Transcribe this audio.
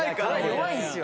弱いんですよ。